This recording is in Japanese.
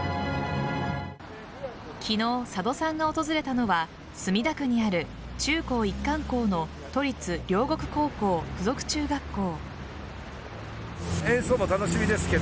昨日、佐渡さんが訪れたのは墨田区にある中高一貫校の都立両国高校・附属中学校。